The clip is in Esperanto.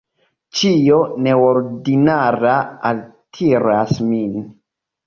Ĉio neordinara altiras min.